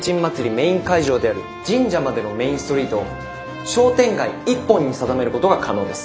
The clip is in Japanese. メイン会場である神社までのメインストリートを商店街一本に定めることが可能です。